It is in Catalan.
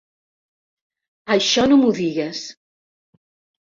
Això no m'ho diguis.